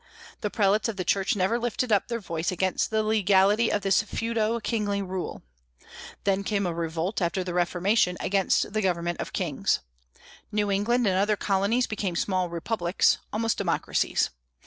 The prelates of the Church never lifted up their voice against the legality of this feudo kingly rule. Then came a revolt, after the Reformation, against the government of kings. New England and other colonies became small republics, almost democracies.